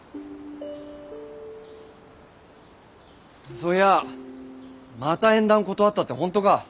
そういやまた縁談断ったって本当か？